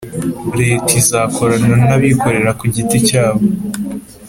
leta izakorana n'abikorera ku giti cyabo